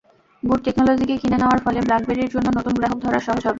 Good টেকনোলজিকে কিনে নেওয়ার ফলে ব্ল্যাকবেরির জন্য নতুন গ্রাহক ধরা সহজ হবে।